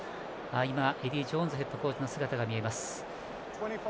エディー・ジョーンズヘッドコーチの姿が見えました。